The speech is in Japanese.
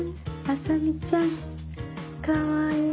麻美ちゃんかわいいね。